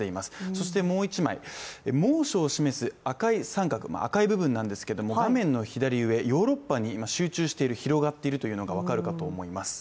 そしてもう一枚、猛暑を示す赤い三角、赤い部分なんですけれども画面の左上、ヨーロッパに集中している広がっているのが分かると思います。